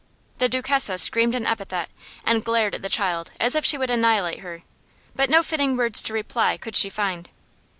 The Duchessa screamed an epithet and glared at the child as if she would annihilate her; but no fitting words to reply could she find.